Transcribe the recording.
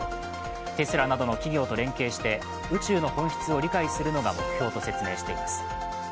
テスラなどの企業と連携して宇宙の本質を理解するのが目標と説明しています。